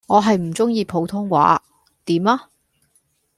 我係唔鐘意普通話，點呀